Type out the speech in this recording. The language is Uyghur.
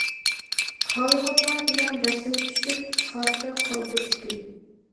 خالىغانلار بىلەن رەسىمگە چۈشۈپ، خاتىرە قالدۇردى.